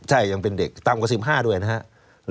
ใช่ยังเป็นเด็กต่ำกว่า๑๕ด้วยนะครับ